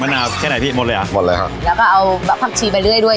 นาวแค่ไหนพี่หมดเลยอ่ะหมดเลยครับแล้วก็เอาแบบผักชีไปเรื่อยด้วย